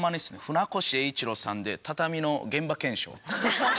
船越英一郎さんで畳の現場検証。